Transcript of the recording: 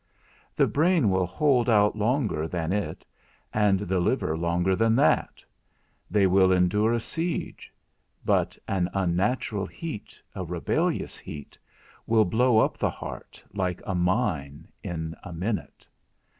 The brain will hold out longer than it, and the liver longer than that; they will endure a siege; but an unnatural heat, a rebellious heat, will blow up the heart, like a mine, in a minute.